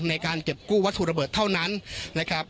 ในการเก็บกู้วัตถุระเบิดเท่านั้นนะครับ